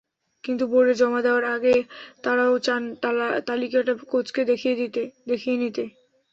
কিন্তু বোর্ডে জমা দেওয়ার আগে তাঁরাও চান তালিকাটা কোচকে দেখিয়ে নিতে।